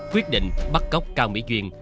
quyết định bắt cóc cao mỹ duyên